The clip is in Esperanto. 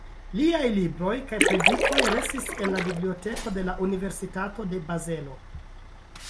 Liaj libroj kaj predikoj restis en la biblioteko de la Universitato de Bazelo.